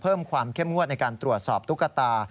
เพิ่มความเข้มงวดในการตรวจสอบตุ๊กตา